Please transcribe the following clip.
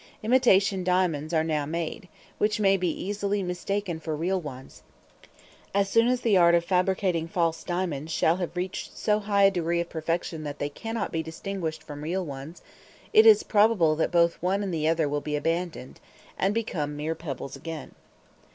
Imitation diamonds are now made which may be easily mistaken for real ones; as soon as the art of fabricating false diamonds shall have reached so high a degree of perfection that they cannot be distinguished from real ones, it is probable that both one and the other will be abandoned, and become mere pebbles again.